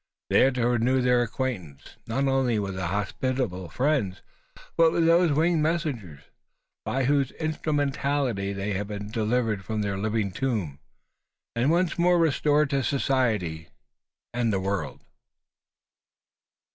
there to renew their acquaintance, not only with hospitable friends, but with those winged messengers, by whose instrumentality they had been delivered from their living tomb, and once more restored to society and the world!